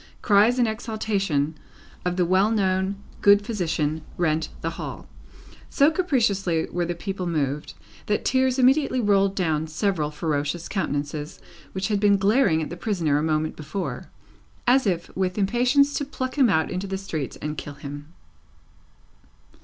Cries in exaltation of the well known good physician rent the hall. So capriciously were the people moved, that tears immediately rolled down several ferocious countenances which had been glaring at the prisoner a moment before, as if with impatience to pluck him out into the streets and kill him.